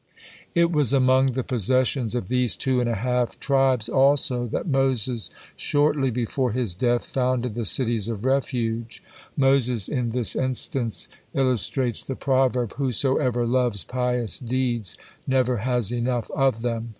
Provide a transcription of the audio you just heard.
It was among the possessions of these two and a half tribes also that Moses shortly before his death founded the cities of refuge. Moses in this instance illustrates the proverb, "Whosoever loves pious deeds, never has enough of them."